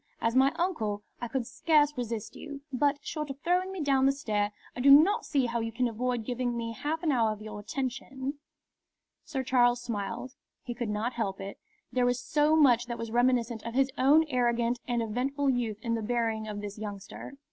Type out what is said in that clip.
As my uncle, I could scarce resist you. But, short of throwing me down the stair, I do not see how you can avoid giving me half an hour of your attention." Sir Charles smiled. He could not help it. There was so much that was reminiscent of his own arrogant and eventful youth in the bearing of this youngster.